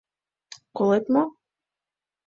Колет мо?..